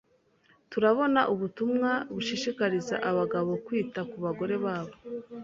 turabona ubutumwa bushishikariza abagabo kwita ku bagore babo